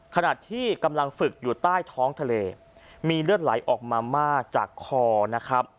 ขณะที่กำลังฝึกอยู่ใต้ท้องทะเลมีเลือดไหลออกมามากจากคอนะครับ